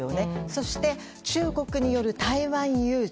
そして、中国による台湾有事